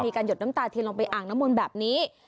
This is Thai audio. วิธีการหยดน้ำตาเทียนอ่างน้ำมนต์แบบนี้